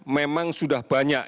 memang sudah banyak